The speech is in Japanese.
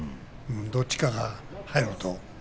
どっちかが入ると。